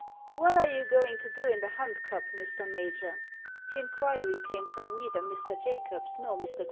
"What are you going to do in the Hunt Cup, Mr. Major?" The inquiry came from neither Mr. Jacobs nor Mr. Grainger.